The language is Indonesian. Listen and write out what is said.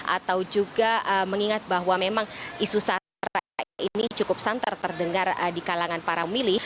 atau juga mengingat bahwa memang isu sarah ini cukup santer terdengar di kalangan para pemilih